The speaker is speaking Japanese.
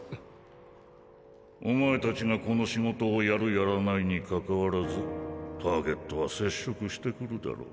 お前たちがこの仕事をやるやらないにかかわらずターゲットは接触してくるだろう。